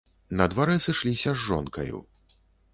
На дварэ сышліся з жонкаю.